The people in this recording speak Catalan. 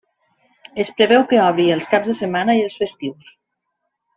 Es preveu que obri els caps de setmana i els festius.